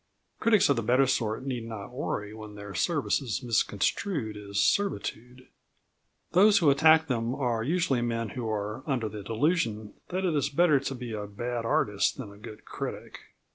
Critics of the better sort need not worry when their service is misconstrued as servitude. Those who attack them are usually men who are under the delusion that it is better to be a bad artist than a good critic.